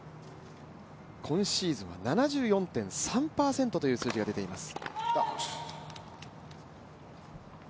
今シーズンは７４．３％という数字が出ています。